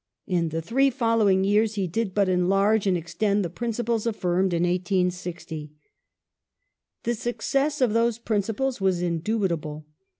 In the three following yeai s he did but enlai'ge and extend the principles affirmed in 1860. The success of those principles was indubitable.